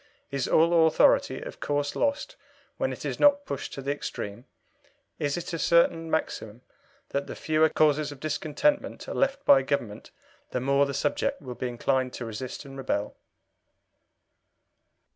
Is all authority of course lost when it is not pushed to the extreme? Is it a certain maxim that the fewer causes of discontentment are left by Government the more the subject will be inclined to resist and rebel?"